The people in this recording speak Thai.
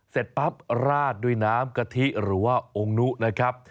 เสร็จปั๊บราดด้วยน้ำกะทิหรือว่าองค์นุนะครับ